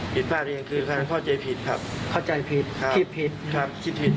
ผิดพรรษเป็นยังคือเขาภาคข้อใจผิดครับ